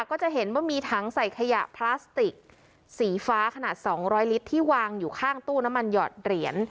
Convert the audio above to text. ก็จะเห็นว่ามีถังใส่ขยะพลาสติกสีฟ้าขนาด๒๐๐ลิตรที่วางอยู่ข้างตู้น้ำมันหยอดเหรียญ